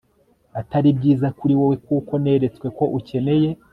atari byiza kuri wowe kuko neretswe ko ukeneye